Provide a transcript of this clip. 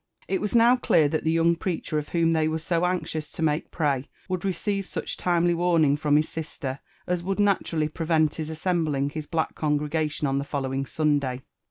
It was now clear th^t the young preacher of whom they were so anxious to make prey would receive such timely warning from his sister, as would naturally prevent his assembling his black congrega tion on the following Sunday.